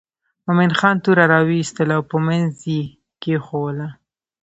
مومن خان توره را وایستله او په منځ یې کېښووله.